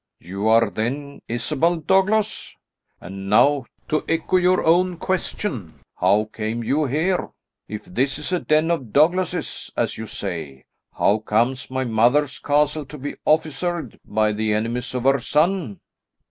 "You are then Isabel Douglas? And now, to echo your own question, how came you here? If this is a den of Douglases, as you say, how comes my mother's castle to be officered by the enemies of her son?"